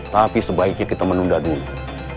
tapi sebaiknya kita menunda dulu